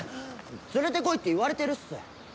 連れてこいって言われてるっす。